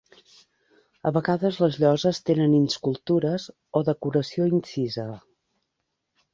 A vegades les lloses tenen inscultures o decoració incisa.